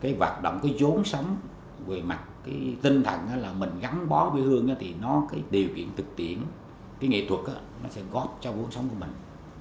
cái hoạt động cái chốn sống về mặt cái tinh thần là mình gắn bó với hương thì nó cái điều kiện thực tiễn cái nghệ thuật nó sẽ góp cho cuộc sống của mình